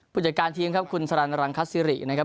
ผู้จัดการทีมครับคุณสรรรังคัสซิรินะครับ